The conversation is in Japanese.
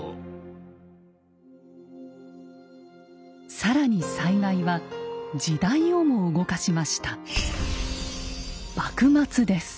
更に災害は時代をも動かしました。